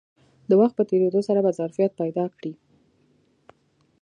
د وخت په تېرېدو سره به ظرفیت پیدا کړي